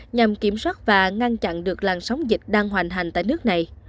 nhằm kiểm soát và ngăn chặn được làn sóng dịch đang hoành hành tại nước này